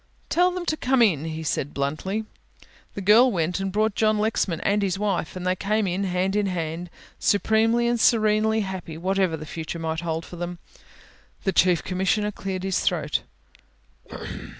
"Tell them to come in," he said bluntly. The girl went and brought John Lexman and his wife, and they came in hand in hand supremely and serenely happy whatever the future might hold for them. The Chief Commissioner cleared his throat.